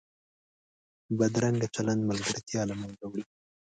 بدرنګه چلند ملګرتیا له منځه وړي